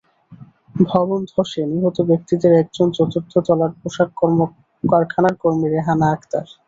ভবন ধসে নিহত ব্যক্তিদের একজন চতুর্থ তলার পোশাক কারখানার কর্মী রেহানা আক্তার।